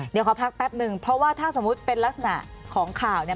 เดี๋ยวขอพักแป๊บนึงเพราะว่าถ้าสมมุติเป็นลักษณะของข่าวเนี่ย